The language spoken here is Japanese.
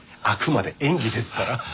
あくまで演技ですから。